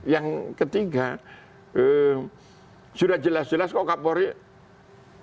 yang ketiga sudah jelas jelas kok kapolri